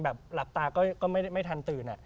หลับตาก็ไม่ทันตื่น